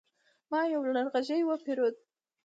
ما يو لرغږی وپيرود